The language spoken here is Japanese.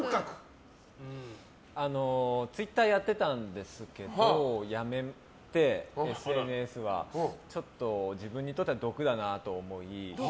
ツイッターやってたんですけどやめてＳＮＳは自分にとっては毒だなと思い。